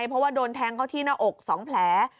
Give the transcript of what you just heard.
เพราะว่าโดนแทงเขาที่หน้าอก๒แผล